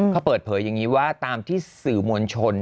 เขาเปิดเผยอย่างนี้ว่าตามที่สื่อมวลชน